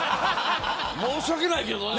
申し訳ないけどね。